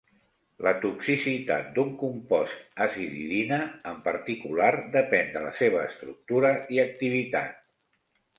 La toxicitat d'un compost aziridina en particular depèn de la seva estructura i activitat.